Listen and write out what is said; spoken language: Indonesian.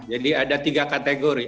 jadi ada tiga kategori